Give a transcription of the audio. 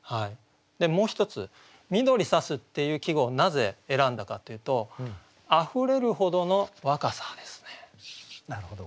でもう一つ「緑さす」っていう季語をなぜ選んだかというと「あふれるほどの若さ」ですね。